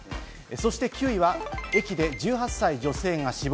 そして９位は駅で１８歳女性が死亡。